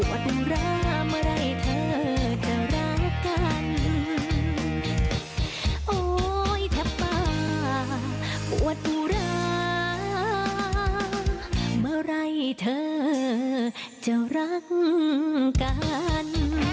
ปวดหุ่นรามาแล้วเธอก็จะรักกัน